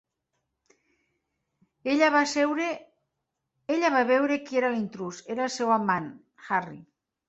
Ella va veure qui era l"intrús: era el seu amant, Harry.